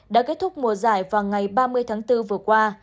đã kết thúc mùa giải vào ngày ba mươi tháng bốn vừa qua